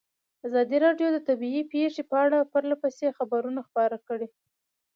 ازادي راډیو د طبیعي پېښې په اړه پرله پسې خبرونه خپاره کړي.